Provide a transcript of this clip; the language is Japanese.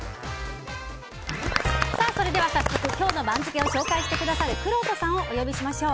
それでは早速今日の番付を紹介してくださるくろうとさんをお呼びしましょう。